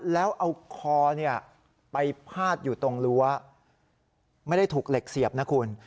แล้วเอาคอไปพาดอยู่ตรงรั้วไม่ได้ถูกเหล็กเสียบนะคุณ